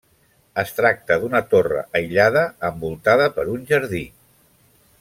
Es tracta d'una torre aïllada envoltada per un jardí.